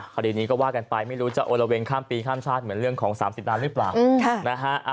คดีนี้ก็ว่ากันไปไม่รู้จะโอละเวงข้ามปีข้ามชาติเหมือนเรื่องของ๓๐ล้านหรือเปล่านะฮะ